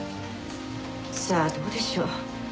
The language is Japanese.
さあどうでしょう？